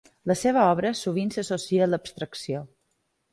La seva obra sovint s'associa a l'abstracció.